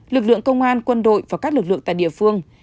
lực lượng công an quân đội và các lực lượng tại địa phương